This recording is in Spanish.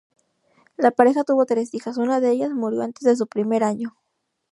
La pareja tuvo tres hijas, una de ellas murió antes de su primer año.